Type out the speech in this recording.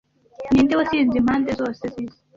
ni nde wasize impande zose z'isi